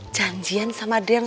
janjian sama adriana